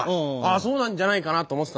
そうなんじゃないかなと思ってたんだけどね。